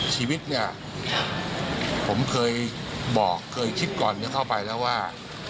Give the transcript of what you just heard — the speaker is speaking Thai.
ชีวิตเนี่ยผมเคยบอกเคยคิดก่อนจะเข้าไปแล้วว่า